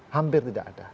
hampir tidak ada